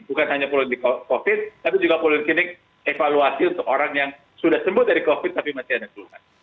bukan hanya polik covid tapi juga poliklinik evaluasi untuk orang yang sudah sembuh dari covid tapi masih ada keluhan